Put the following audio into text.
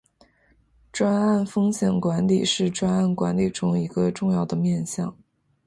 专案风险管理是专案管理中一个重要的面向。